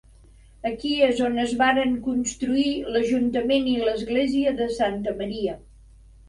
Aquí és on es varen construir l'ajuntament i l'església de Santa Maria.